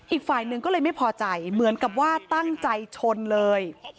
อีกฝ่ายหนึ่งก็เลยไม่พอใจเหมือนกับว่าตั้งใจชนเลย